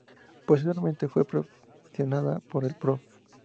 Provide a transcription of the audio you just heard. Posteriormente fue perfeccionada por el Prof.